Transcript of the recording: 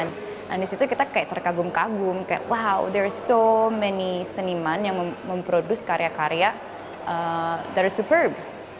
dan di situ kita kayak terkagum kagum kayak wow there are so many seniman yang memproduce karya karya that are superb